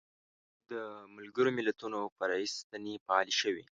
د ملګرو ملتونو فرعي ستنې فعالې شوې.